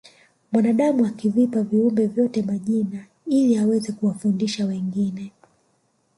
mwanadamu akavipa viumbe vyote majina ili aweze kuwafundisha wengine